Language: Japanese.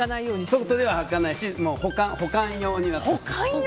外でははかないし保管用になってる。